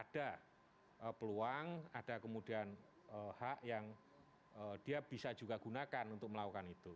ada peluang ada kemudian hak yang dia bisa juga gunakan untuk melakukan itu